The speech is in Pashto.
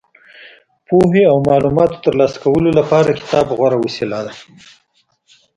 پوهې او معلوماتو ترلاسه کولو لپاره کتاب غوره وسیله ده.